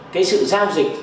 cái sự giao dịch